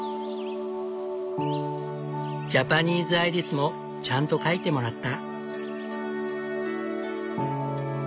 ジャパニーズアイリスもちゃんと描いてもらった。